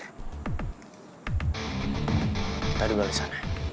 kita juga lu sana